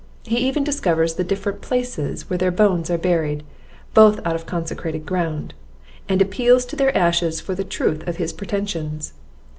He even discovers the different places where their bones are buried, both out of consecrated ground, and appeals to their ashes for the truth of his pretensions.